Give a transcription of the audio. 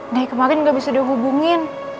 nih kemarin gak bisa dia hubungin